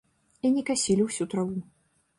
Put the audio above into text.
І не касілі ўсю траву.